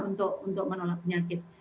untuk menolak penyakit